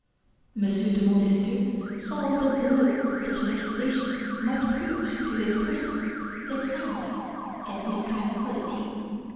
M. de Montesquieu saw what a blow such an accusation might prove to his person, his family, and his tranquillity.